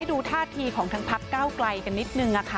ดูท่าทีของทางพักเก้าไกลกันนิดนึงค่ะ